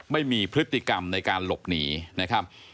ไม่มีพฤติกรรมในการหลบหนีนะครับ